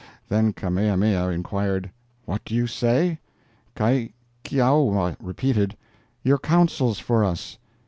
Then Kamehameha inquired, 'What do you say?' Kaikiowa repeated, 'Your counsels for us.'